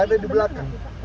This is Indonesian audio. ada di belakang